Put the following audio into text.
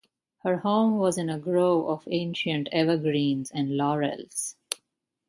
Her home was in a grove of ancient evergreens and laurels.